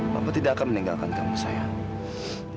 bapak tidak akan meninggalkan kamu sayang